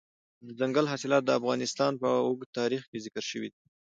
دځنګل حاصلات د افغانستان په اوږده تاریخ کې ذکر شوي دي.